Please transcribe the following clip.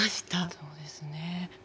そうですね。